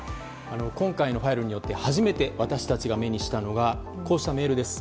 今回のファイルによって初めて私たちが目にしたのはこうしたメールです。